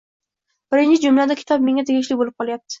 Birinchi jumlada kitob menga tegishli boʻlib qolyapti